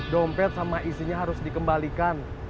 dompet sama isinya harus dikembalikan